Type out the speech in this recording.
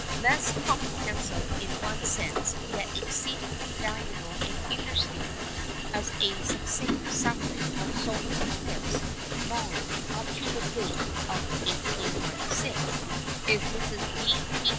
Less comprehensive in one sense yet exceedingly valuable and interesting as a succinct summary of solar eclipse knowledge up to the date of 1896 is Mrs. D. P.